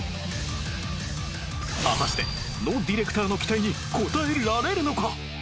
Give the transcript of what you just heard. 果たしてノディレクターの期待に応えられるのか？